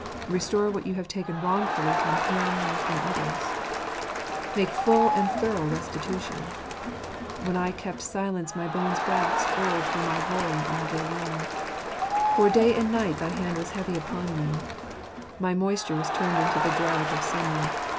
Restore what you have taken wrongfully from Him or from others. Make full and thorough restitution. " When I kept silence, my bones waxed old through my roaring all the day long ; for day and night thy hand was heavy upon me : my moisture was turned into the drought of summer.